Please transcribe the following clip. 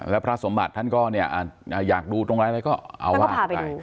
แล้วพระสมบัติท่านก็เนี่ยอยากดูตรงไหนก็เอาไว้